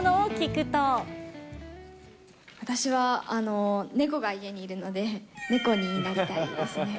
私は猫が家にいるので、猫になりたいですね。